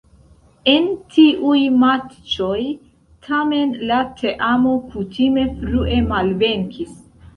En tiuj matĉoj tamen la teamo kutime frue malvenkis.